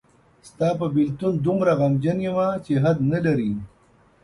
ستاپه بیلتون دومره غمجن یمه چی حد نلری.